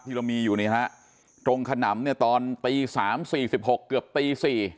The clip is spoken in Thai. เรามีอยู่นี่ฮะตรงขนำเนี่ยตอนตี๓๔๖เกือบตี๔